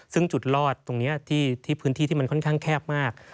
ซึ่งจุดรอดตรงนี้ที่พื้นที่ที่มันค่อนข้างแคบมาก